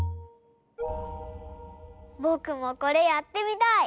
ぼくもこれやってみたい！